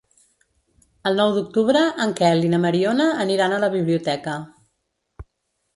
El nou d'octubre en Quel i na Mariona aniran a la biblioteca.